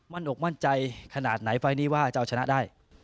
นอกมั่นใจขนาดไหนไฟล์นี้ว่าจะเอาชนะได้